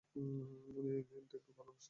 উনি লিনেটকে অনেক ভালোবাসতেন।